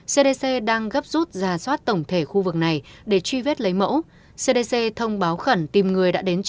cdc đang gấp rút ra soát tổng thể khu vực này để truy vết lấy mẫu